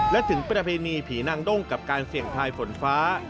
และถึงประเพณีผีนางด้งกับการเสี่ยงทายฝนฟ้า